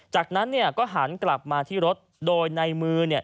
จากนั้นเนี่ยก็หันกลับมาที่รถโดยในมือเนี่ย